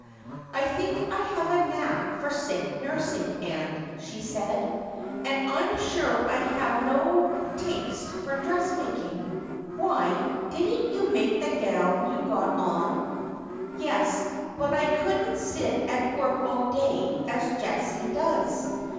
' I think I have a knack f :<r sick nursing, attnt,' she said ;' and I'm snre I have no taste for dressmaking. 1 'Why. didn't yon make the gown you've got on ?' 'Yes : but I couldn't sit at work all day as Jessie does.